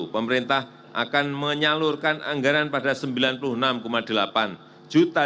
pemerintah akan menyalurkan anggaran pada rp sembilan puluh enam delapan juta